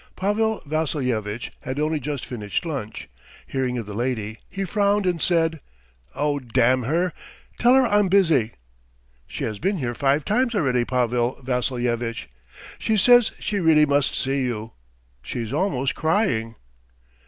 ..." Pavel Vassilyevitch had only just finished lunch. Hearing of the lady, he frowned and said: "Oh, damn her! Tell her I'm busy." "She has been here five times already, Pavel Vassilyevitch. She says she really must see you. ... She's almost crying."